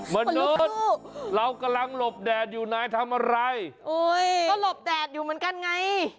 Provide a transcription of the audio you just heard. มนุษย์เรากำลังหลบแดดอยู่นายทำอะไรก็หลบแดดอยู่เหมือนกันไง